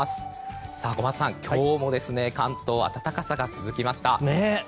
今日も関東は暖かさが続きました。